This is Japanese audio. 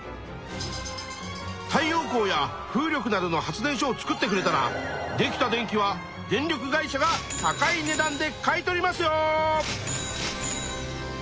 太陽光や風力などの発電所を作ってくれたらできた電気は電力会社が高いねだんで買い取りますよ！